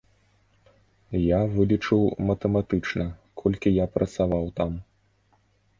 Я вылічыў матэматычна, колькі я працаваў там.